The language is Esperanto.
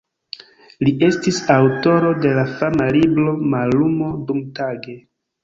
Li estis aŭtoro de la fama libro "Mallumo dumtage".